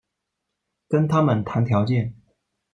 跟他们谈条件